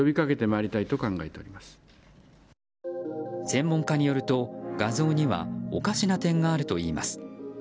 専門家によると、画像にはおかしな点があるといいます。